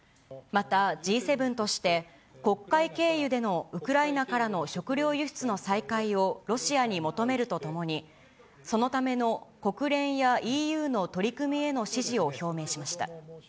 またＧ７として、黒海経由でのウクライナからの食料輸出の再開をロシアに求めるとともに、そのための国連やＥＵの取り組みへの支持を表明しました。